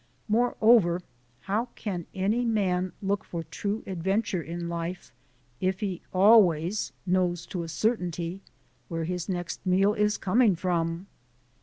Moreover, how can any man look for true adventure in life if he always knows to a certainty where his next meal is coming from?